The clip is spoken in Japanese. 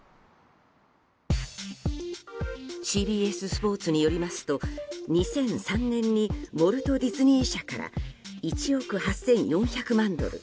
ＣＢＳスポーツによりますと２００３年にウォルト・ディズニー社から１億８４００万ドル